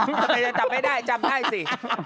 เรียนความจำไม่ได้จำได้สิ